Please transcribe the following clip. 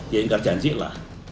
ya ingat janjilah